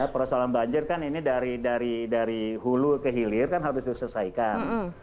persoalan banjir kan ini dari hulu ke hilir kan harus diselesaikan